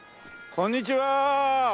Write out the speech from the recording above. こんにちは！